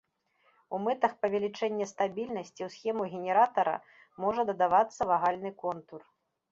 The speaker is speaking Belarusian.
У мэтах павелічэння стабільнасці ў схему генератара можа дадавацца вагальны контур.